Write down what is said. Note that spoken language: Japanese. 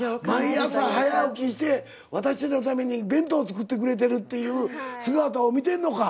毎朝早起きして私たちのために弁当作ってくれてるという姿を見てんのか。